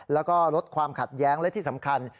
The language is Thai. แล้วก็ลดความขัดแย้งและที่สำคัญ